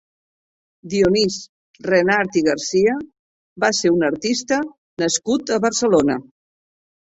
Dionís Renart i Garcia va ser un artista nascut a Barcelona.